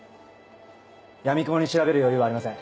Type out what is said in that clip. やみくもに調べる余裕はありません。